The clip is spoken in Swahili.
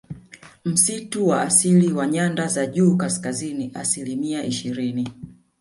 Msitu wa asili wa nyanda za juu kaskazini asilimia ishirini